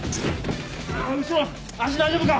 後ろ足大丈夫か？